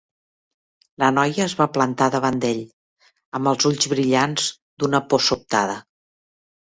La noia es va plantar davant d'ell, amb els ulls brillants d'una por sobtada.